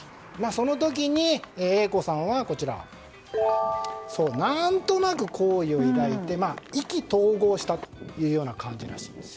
その時に、Ａ子さんは何となく好意を抱いて意気投合したというような感じらしいんです。